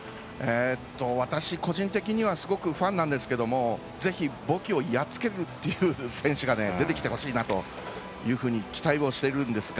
私、個人的にはファンなんですけれどもぜひ、ボキをやっつける選手が出てきてほしいなと期待をしているんですが。